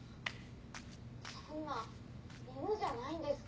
そんな犬じゃないんですから。